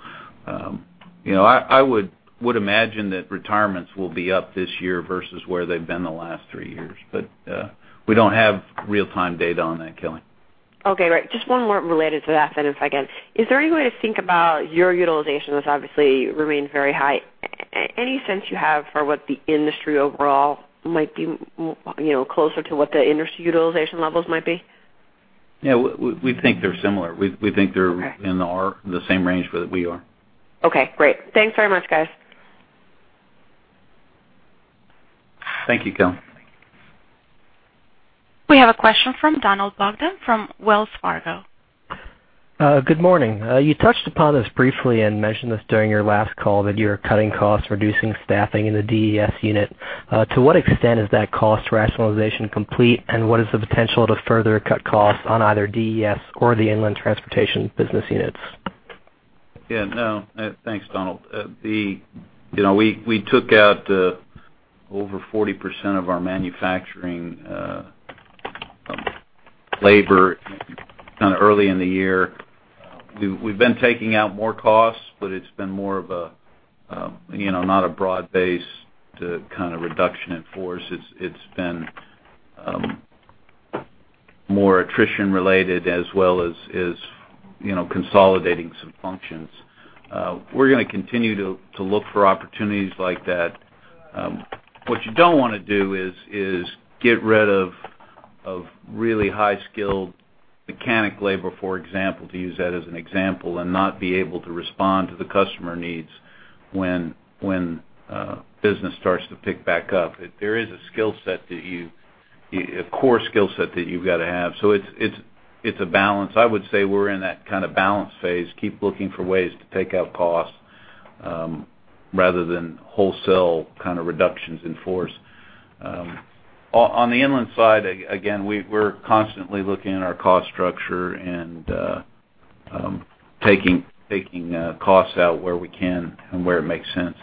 You know, I would imagine that retirements will be up this year versus where they've been the last three years. But we don't have real-time data on that, Kelly. Okay, great. Just one more related to that, then if I can. Is there any way to think about your utilization? That's obviously remained very high. Any sense you have for what the industry overall might be, you know, closer to what the industry utilization levels might be? Yeah, we think they're similar. We think they're in our, the same range where we are. Okay, great. Thanks very much, guys. Thank you, Kelly. We have a question from [Donald Broughton from Wells Fargo]. Good morning. You touched upon this briefly and mentioned this during your last call, that you're cutting costs, reducing staffing in the DES unit. To what extent is that cost rationalization complete, and what is the potential to further cut costs on either DES or the inland transportation business units? Yeah, no. Thanks, Donald. You know, we took out over 40% of our manufacturing labor kind of early in the year. We've been taking out more costs, but it's been more of a, you know, not a broad base to kind of reduction in force. It's been more attrition related as well as, as you know, consolidating some functions. We're gonna continue to look for opportunities like that. What you don't wanna do is get rid of really high-skilled mechanic labor, for example, to use that as an example, and not be able to respond to the customer needs when business starts to pick back up. There is a skill set that you, a core skill set that you've got to have. So it's a balance. I would say we're in that kind of balance phase, keep looking for ways to take out costs, rather than wholesale kind of reductions in force. On the inland side, again, we're constantly looking at our cost structure and taking costs out where we can and where it makes sense.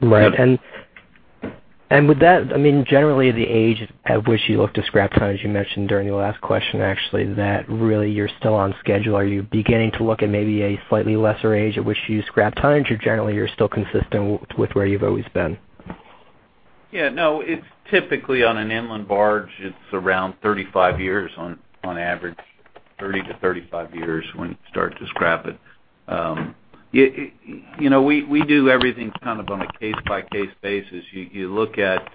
Right. And with that, I mean, generally, the age at which you look to scrap ton, as you mentioned during the last question, actually, that really you're still on schedule. Are you beginning to look at maybe a slightly lesser age at which you scrap tons, or generally, you're still consistent with where you've always been? Yeah, no, it's typically on an inland barge, it's around 35 years on average, 30-35 years when you start to scrap it. You know, we do everything kind of on a case-by-case basis. You look at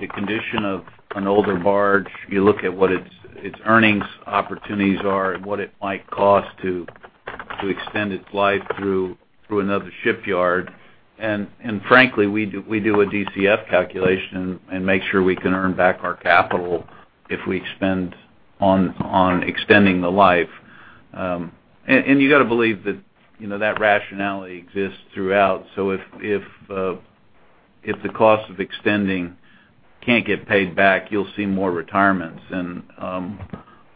the condition of an older barge, you look at what its earnings opportunities are and what it might cost to extend its life through another shipyard. And frankly, we do a DCF calculation and make sure we can earn back our capital if we spend on extending the life. And you got to believe that, you know, that rationality exists throughout. So if the cost of extending can't get paid back, you'll see more retirements.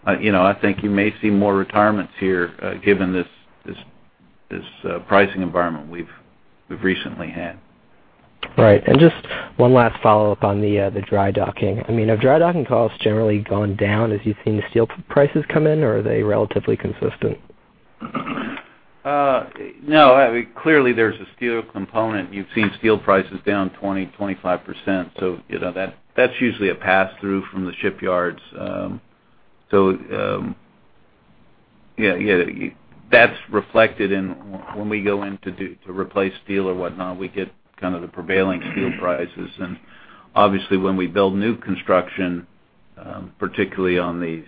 I think you may see more retirements here, given this pricing environment we've recently had. Right. And just one last follow-up on the dry docking. I mean, have dry docking costs generally gone down as you've seen the steel prices come in, or are they relatively consistent? No, I mean, clearly, there's a steel component. You've seen steel prices down 20%-25%. So, you know, that's usually a pass-through from the shipyards. So, yeah, that's reflected in when we go in to do, to replace steel or whatnot, we get kind of the prevailing steel prices. And obviously, when we build new construction, particularly on these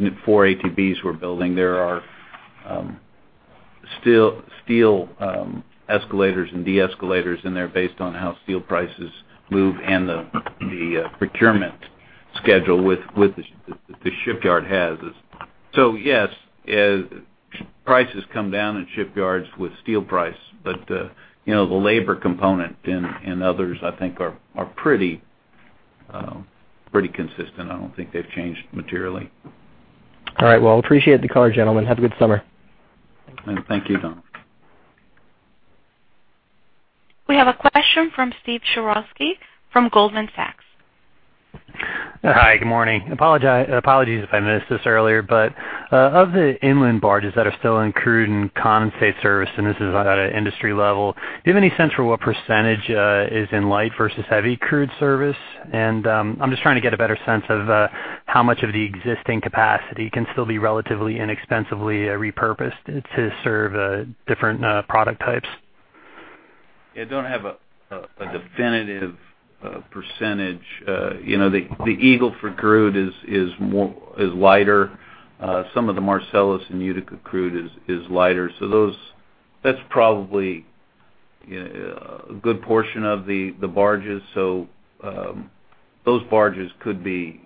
new four ATBs we're building, there are steel escalators and de-escalators in there based on how steel prices move and the procurement schedule with the shipyard has. So yes, as prices come down in shipyards with steel price, but, you know, the labor component and others, I think are pretty consistent. I don't think they've changed materially. All right. Well, appreciate the call, gentlemen. Have a good summer. Thank you, Donald. We have a question from Steve Sherowski from Goldman Sachs. Hi, good morning. Apologies if I missed this earlier, but of the inland barges that are still in crude and condensate service, and this is at an industry level, do you have any sense for what percentage is in light versus heavy crude service? And I'm just trying to get a better sense of how much of the existing capacity can still be relatively inexpensively repurposed to serve different product types. Yeah, don't have a definitive percentage. You know, the Eagle Ford crude is more is lighter. Some of the Marcellus and Utica crude is lighter. So those, that's probably a good portion of the barges. So, those barges could be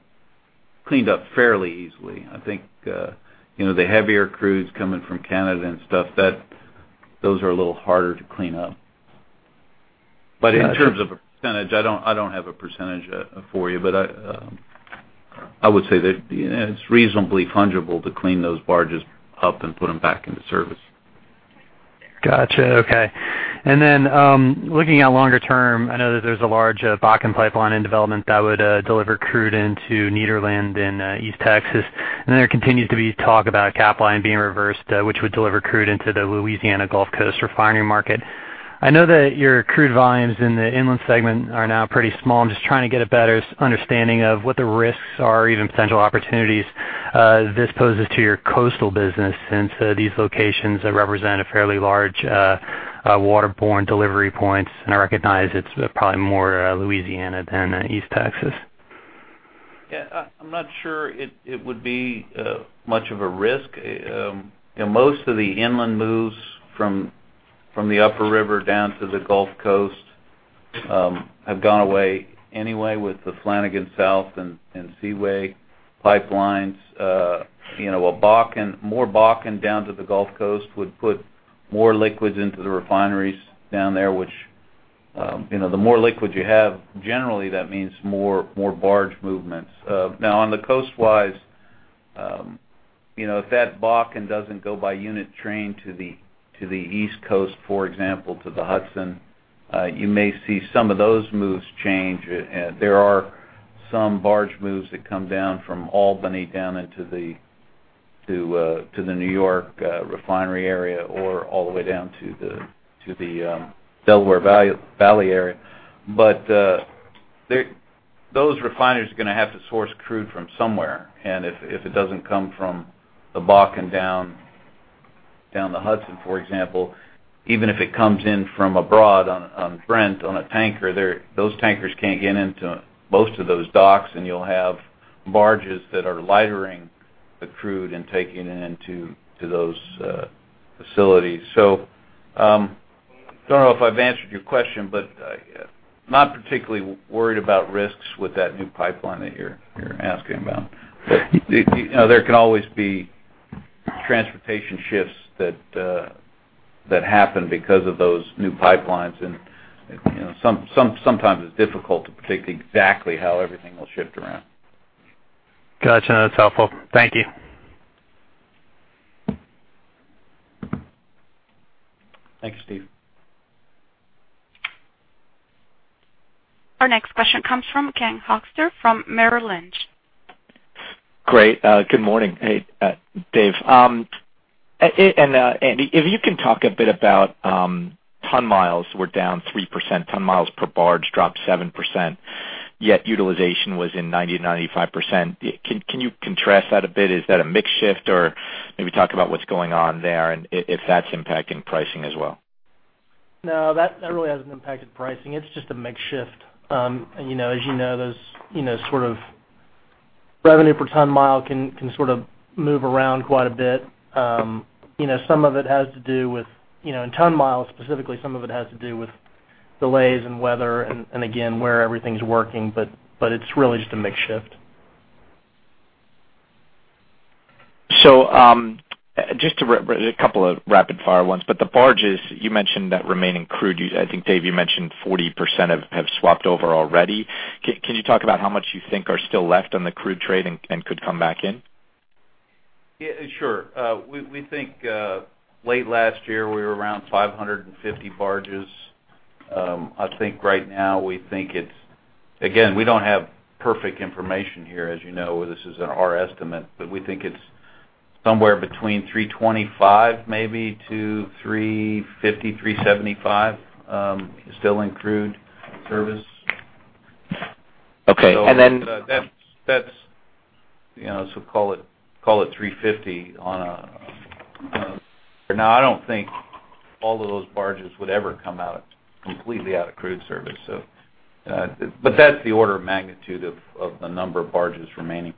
cleaned up fairly easily. I think, you know, the heavier crudes coming from Canada and stuff, those are a little harder to clean up. But in terms of a percentage, I don't have a percentage for you, but I would say that, you know, it's reasonably fungible to clean those barges up and put them back into service. Gotcha. Okay. And then, looking at longer term, I know that there's a large Bakken pipeline in development that would deliver crude into Nederland in East Texas. And there continues to be talk about Capline being reversed, which would deliver crude into the Louisiana Gulf Coast refinery market. I know that your crude volumes in the inland segment are now pretty small. I'm just trying to get a better understanding of what the risks are or even potential opportunities this poses to your coastal business since these locations represent a fairly large waterborne delivery points, and I recognize it's probably more Louisiana than East Texas. Yeah, I'm not sure it would be much of a risk. You know, most of the inland moves from the upper river down to the Gulf Coast have gone away anyway with the Flanagan South and Seaway pipelines. You know, while Bakken, more Bakken down to the Gulf Coast would put more liquids into the refineries down there, which, you know, the more liquids you have, generally, that means more barge movements. Now, on the coastwise, you know, if that Bakken doesn't go by unit train to the East Coast, for example, to the Hudson, you may see some of those moves change. There are some barge moves that come down from Albany down into the New York refinery area or all the way down to the Delaware Valley area. But those refineries are gonna have to source crude from somewhere, and if it doesn't come from the Bakken down the Hudson, for example, even if it comes in from abroad on Brent on a tanker, those tankers can't get into most of those docks, and you'll have barges that are lightering the crude and taking it into those facilities. So, I don't know if I've answered your question, but not particularly worried about risks with that new pipeline that you're asking about. But you know, there can always be transportation shifts that happen because of those new pipelines. You know, sometimes it's difficult to predict exactly how everything will shift around. Gotcha. That's helpful. Thank you. Thanks, Steve. Our next question comes from Ken Hoexter from Merrill Lynch. Great. Good morning. Hey, Dave and Andy, if you can talk a bit about ton-miles were down 3%, ton-miles per barge dropped 7%, yet utilization was in 90-95%. Can you contrast that a bit? Is that a mix shift, or maybe talk about what's going on there and if that's impacting pricing as well? No, that really hasn't impacted pricing. It's just a mix shift. And, you know, as you know, those, you know, sort of revenue per ton-mile can sort of move around quite a bit. You know, some of it has to do with, you know, in ton-miles, specifically, some of it has to do with delays and weather and again, where everything's working, but it's really just a mix shift. So, just a couple of rapid fire ones, but the barges, you mentioned that remaining crude, I think, Dave, you mentioned 40% have swapped over already. Can you talk about how much you think are still left on the crude trade and could come back in? Yeah, sure. We think late last year we were around 550 barges. I think right now we think it's... Again, we don't have perfect information here, as you know, this is our estimate, but we think it's somewhere between 325, maybe to 350, 375, still in crude service. Okay. And then- That's, that's, you know, so call it, call it 350 on a. Now, I don't think all of those barges would ever come out, completely out of crude service. So, but that's the order of magnitude of, of the number of barges remaining.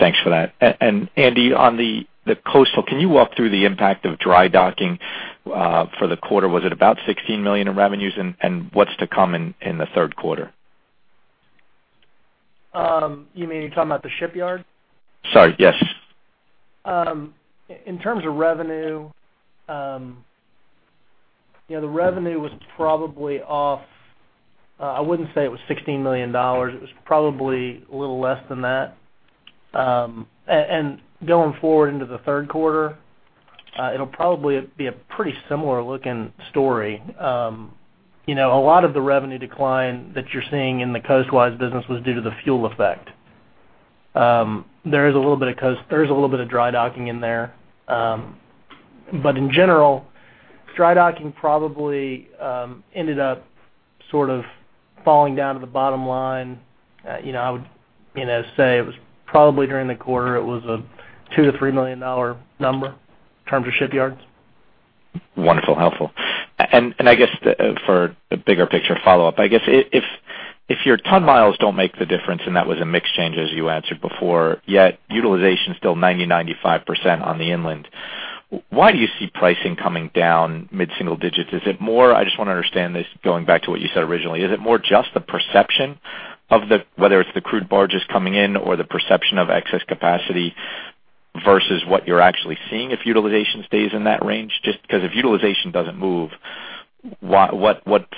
Thanks for that. And Andy, on the coastal, can you walk through the impact of dry docking for the quarter? Was it about $16 million in revenues, and what's to come in the third quarter? You mean, you're talking about the shipyard? Sorry, yes. In terms of revenue, you know, the revenue was probably off. I wouldn't say it was $16 million. It was probably a little less than that. And going forward into the third quarter, it'll probably be a pretty similar-looking story. You know, a lot of the revenue decline that you're seeing in the coastwise business was due to the fuel effect. There is a little bit of coast, there is a little bit of dry docking in there. But in general, dry docking probably ended up sort of falling down to the bottom line. You know, I would, you know, say it was probably during the quarter, it was a $2-$3 million number in terms of shipyards. Wonderful, helpful. And I guess for the bigger picture follow-up, I guess if your ton-miles don't make the difference, and that was a mix change, as you answered before, yet utilization is still 90%-95% on the inland, why do you see pricing coming down mid-single digits? Is it more, I just want to understand this, going back to what you said originally. Is it more just the perception of the, whether it's the crude barges coming in or the perception of excess capacity versus what you're actually seeing if utilization stays in that range? Just because if utilization doesn't move, what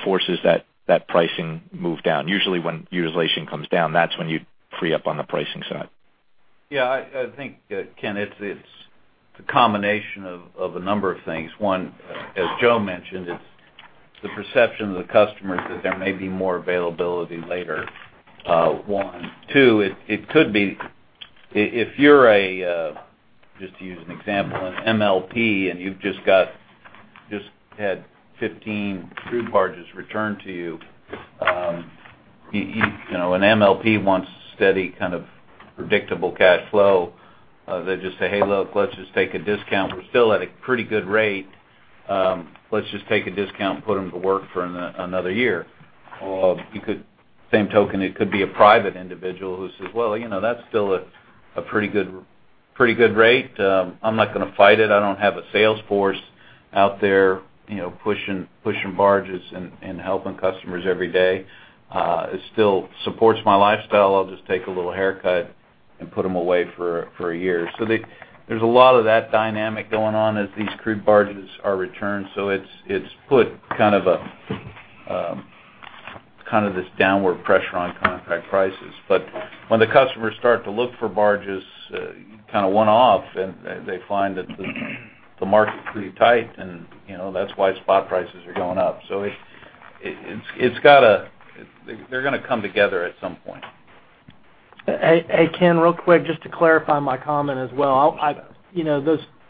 forces that pricing move down? Usually, when utilization comes down, that's when you free up on the pricing side. Yeah, I think, Ken, it's the combination of a number of things. One, as Joe mentioned, it's the perception of the customers that there may be more availability later, one. Two, it could be, if you're a, just to use an example, an MLP, and you've just got, just had 15 crude barges returned to you, you know, an MLP wants steady kind of predictable cash flow. They just say, "Hey, look, let's just take a discount. We're still at a pretty good rate. Let's just take a discount and put them to work for another year." Or you could, same token, it could be a private individual who says, "Well, you know, that's still a pretty good rate. I'm not gonna fight it. I don't have a sales force out there, you know, pushing, pushing barges and, and helping customers every day. It still supports my lifestyle. I'll just take a little haircut and put them away for, for a year." So there's a lot of that dynamic going on as these crude barges are returned, so it's, it's put kind of a, kind of this downward pressure on contract prices. But when the customers start to look for barges, kind of one-off, and they, they find that the, the market's pretty tight, and, you know, that's why spot prices are going up. So it, it's, it's got a. They're gonna come together at some point. Hey, hey, Ken, real quick, just to clarify my comment as well. I you know,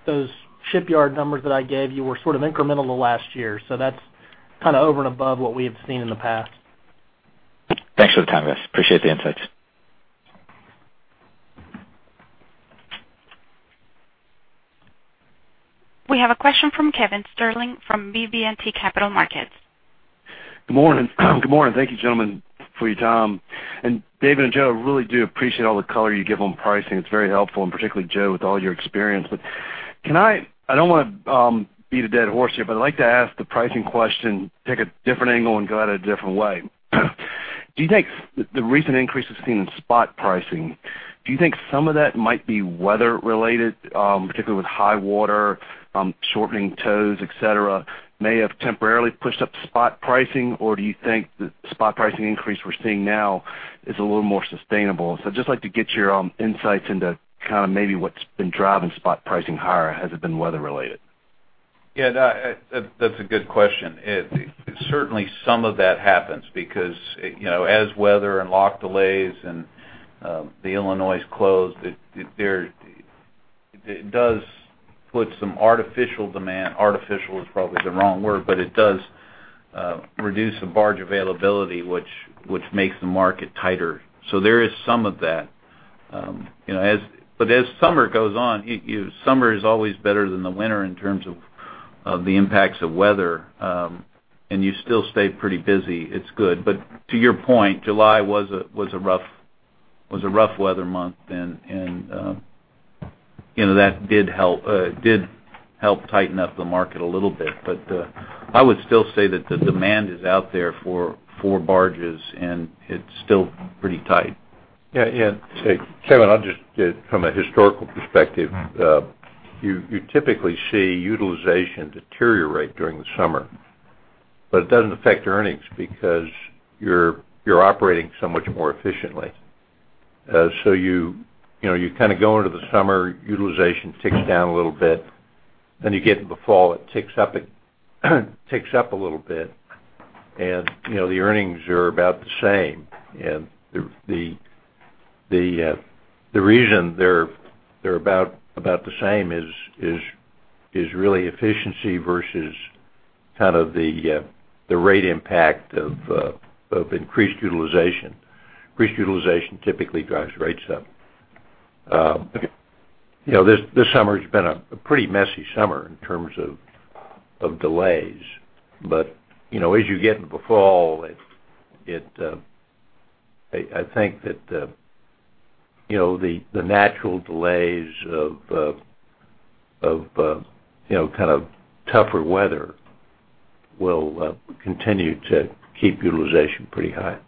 those shipyard numbers that I gave you were sort of incremental to last year, so that's kind of over and above what we have seen in the past. Thanks for the time, guys. Appreciate the insights. We have a question from Kevin Sterling from BB&T Capital Markets. Good morning. Good morning. Thank you, gentlemen, for your time. And David and Joe, I really do appreciate all the color you give on pricing. It's very helpful, and particularly Joe, with all your experience. But can I, I don't want to beat a dead horse here, but I'd like to ask the pricing question, take a different angle and go at it a different way. Do you think the recent increases seen in spot pricing, do you think some of that might be weather related, particularly with high water, shortening tows, et cetera, may have temporarily pushed up the spot pricing? Or do you think the spot pricing increase we're seeing now is a little more sustainable? So I'd just like to get your insights into kind of maybe what's been driving spot pricing higher. Has it been weather related? Yeah, that, that's a good question. It certainly, some of that happens because, you know, as weather and lock delays and, the Illinois closed. It does put some artificial demand. Artificial is probably the wrong word, but it does reduce the barge availability, which makes the market tighter. So there is some of that. You know, but as summer goes on, summer is always better than the winter in terms of the impacts of weather, and you still stay pretty busy. It's good. But to your point, July was a rough weather month, and you know, that did help tighten up the market a little bit. But I would still say that the demand is out there for barges, and it's still pretty tight. Yeah, yeah. Kevin, I'll just from a historical perspective, you typically see utilization deteriorate during the summer, but it doesn't affect earnings because you're operating so much more efficiently. So you know, you kind of go into the summer, utilization ticks down a little bit, then you get to the fall, it ticks up, ticks up a little bit, and you know, the earnings are about the same. And the reason they're about the same is really efficiency versus kind of the rate impact of increased utilization. Increased utilization typically drives rates up. You know, this summer has been a pretty messy summer in terms of delays. But, you know, as you get into the fall, I think that, you know, the natural delays of, you know, kind of tougher weather will continue to keep utilization pretty high.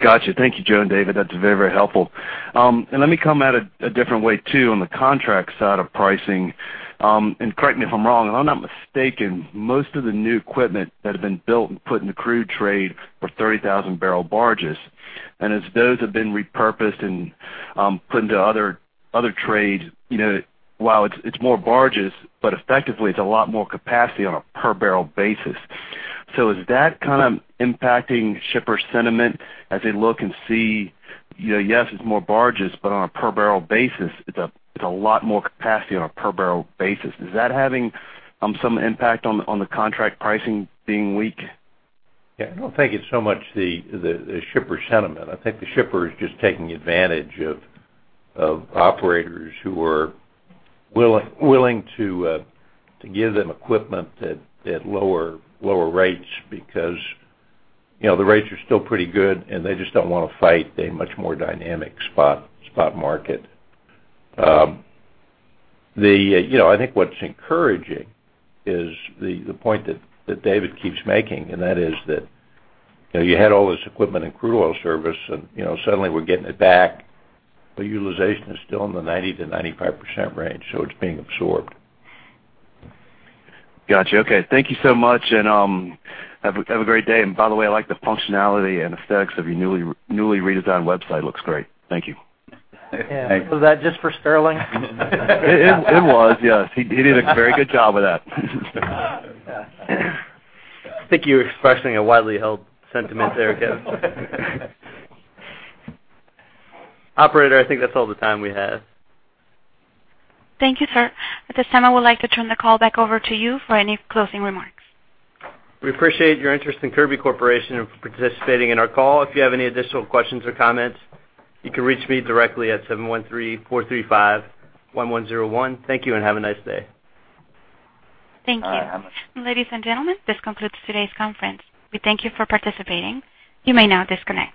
Gotcha. Thank you, Joe and David. That's very, very helpful. And let me come at it a different way, too, on the contract side of pricing. And correct me if I'm wrong, if I'm not mistaken, most of the new equipment that have been built and put in the crude trade were 30,000-barrel barges. And as those have been repurposed and put into other trade, you know, while it's more barges, but effectively, it's a lot more capacity on a per barrel basis. So is that kind of impacting shipper sentiment as they look and see, you know, yes, it's more barges, but on a per barrel basis, it's a lot more capacity on a per barrel basis. Is that having some impact on the contract pricing being weak? Yeah. I don't think it's so much the shipper sentiment. I think the shipper is just taking advantage of operators who are willing to give them equipment at lower rates, because, you know, the rates are still pretty good, and they just don't want to fight a much more dynamic spot market. You know, I think what's encouraging is the point that David keeps making, and that is that, you know, you had all this equipment in crude oil service and suddenly we're getting it back, but utilization is still in the 90%-95% range, so it's being absorbed. Gotcha. Okay. Thank you so much, and have a great day. And by the way, I like the functionality and aesthetics of your newly redesigned website. Looks great. Thank you. Thanks. Was that just for Sterling? It was, yes. He did a very good job with that. I think you're expressing a widely held sentiment there, Kevin. Operator, I think that's all the time we have. Thank you, sir. At this time, I would like to turn the call back over to you for any closing remarks. We appreciate your interest in Kirby Corporation and for participating in our call. If you have any additional questions or comments, you can reach me directly at 713-435-1101. Thank you and have a nice day. Thank you. Ladies and gentlemen, this concludes today's conference. We thank you for participating. You may now disconnect.